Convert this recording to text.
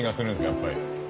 やっぱり。